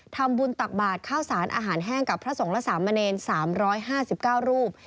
ทำบุญตักบาทข้าวสานอาหารแห้งกับพระสมรสามเมรีน๓๕๙รูป